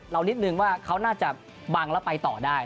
นิดนึงว่าเขาน่าจะบังแล้วไปต่อได้